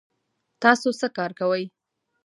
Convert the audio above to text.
تاسو څه کار کوئ؟